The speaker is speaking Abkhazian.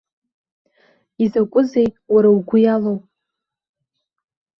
Изакәызеи, уара, угәы иалоу?